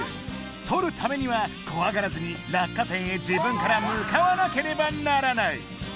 とるためにはこわがらずにらっか点へ自分から向かわなければならない。